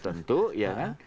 tertentu ya kan